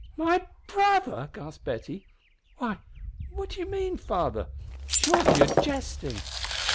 "My brother?" gasped Betty. "Why, what do you mean, father? Surely you are jesting!"